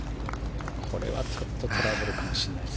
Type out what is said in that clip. これはちょっとトラブルかもしれないですね。